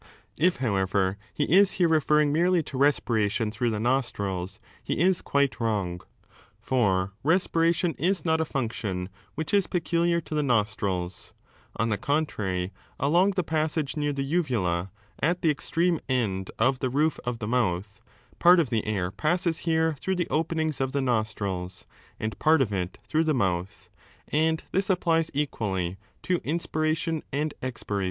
If, however, he is here 8 referring merely to respiration through the nostrils, he is quite wrong. For respiration is not a function which is peculiar to the nostrils; on the contrary, along the passage near the uvula, at the extreme end of the roof of the mouth, part of the air passes here through the openings of the nostrils and part of it through the mouth, and this applies equally to inspiration and expiration.